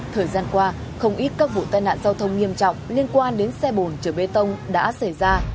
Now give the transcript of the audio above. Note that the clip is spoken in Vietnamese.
thời gian qua không ít các vụ tai nạn giao thông nghiêm trọng liên quan đến xe bồn chở bê tông đã xảy ra